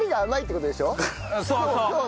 そうそう！